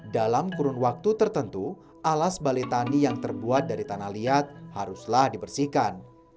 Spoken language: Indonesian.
dalam kurun waktu tertentu alas baletani yang terbuat dari tanah liat haruslah dibersihkan